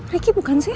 riki bukan sih